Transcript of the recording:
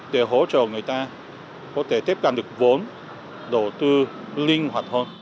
để hỗ trợ người ta có thể tiếp cận được vốn đầu tư linh hoạt hơn